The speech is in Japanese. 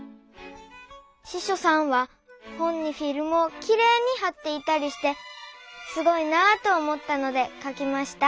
ししょさんは本にフィルムをきれいにはっていたりしてすごいなと思ったのでかきました。